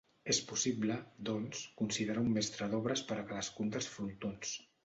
És possible, doncs, considerar un mestre d'obres per a cadascun dels frontons.